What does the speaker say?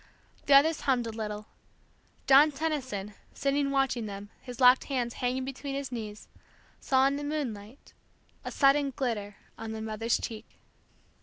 The others hummed a little. John Tenison, sitting watching them, his locked hands hanging between his knees, saw in the moonlight a sudden glitter on the mother's cheek.